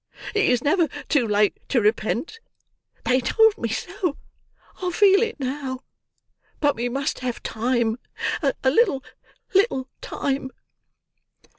It is never too late to repent. They told me so—I feel it now—but we must have time—a little, little time!"